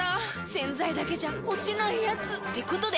⁉洗剤だけじゃ落ちないヤツってことで。